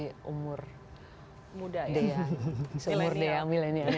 jadi umur dea umur dea milenial ya